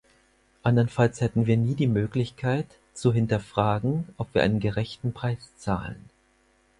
Anderenfalls hätten wir nie die Möglichkeit, zu hinterfragen, ob wir einen gerechten Preis zahlen.